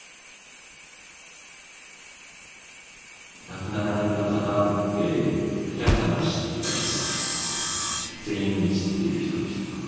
亡くなられた方で竹原さんの知ってた人全員知ってる人でしたか？